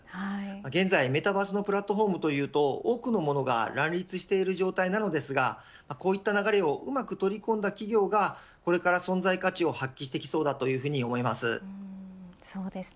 現在、メタバースのプラットフォームというと多くのものが乱立している状態なのですがこういった流れをうまく取り込んだ企業がこれから存在価値を発揮していきそうだと思います。